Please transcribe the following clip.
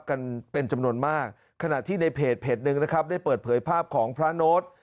กันเป็นจำนวนมากขณะที่ในเพจหนึ่งนะครับได้เปิดเผยภาพของพระโน้ต